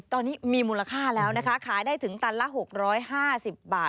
ตอนนี้มีมูลค่าแล้วนะคะขายได้ถึงตันละ๖๕๐บาท